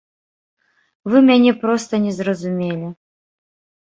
Вы мяне проста не зразумелі.